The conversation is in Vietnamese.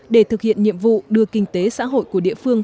để thực hiện nhiệm vụ đưa kinh tế xã hội của địa phương